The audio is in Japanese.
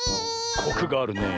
コクがあるねえ。